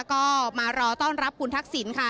ก็มารอต้อนรับคุณทักษิณค่ะ